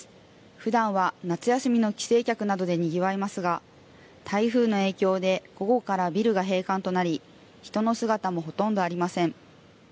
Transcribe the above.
ふだんは夏休みの帰省客などでにぎわいますが台風の影響で午後からビルが閉館となり人の姿もほとんどありません。